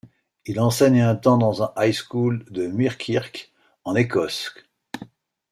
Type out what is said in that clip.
Il enseigne un temps dans un high school de Muirkirk, en Écosse.